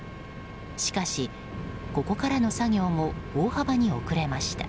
しかし、ここからの作業も大幅に遅れました。